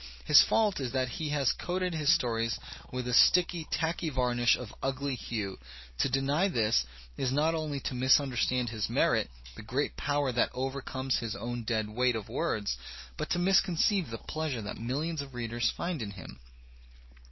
His fault is that he has coated his stories with a sticky, tacky varnish of ugly hue. To deny this is not only to misunderstand his merit, the great power that overcomes his own dead weight/ of words, but to misconceive the pleasure that millions of readers find in him.